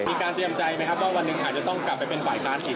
มีการเตรียมใจไหมครับว่าวันนึงค่ะ